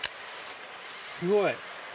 すごい！